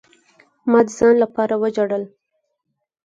ما د ځان د پاره وجړل.